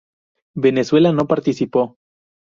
Venezuela no participó.